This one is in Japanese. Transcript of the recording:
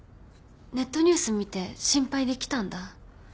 ネットニュース見て心配で来たんだ。